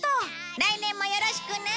来年もよろしくね！